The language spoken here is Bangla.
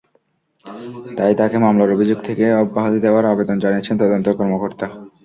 তাই তাঁকে মামলার অভিযোগ থেকে অব্যাহতি দেওয়ার আবেদন জানিয়েছেন তদন্ত কর্মকর্তা।